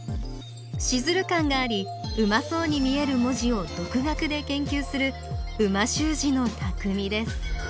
シズル感がありうまそうに見える文字を独学で研究する美味しゅう字のたくみです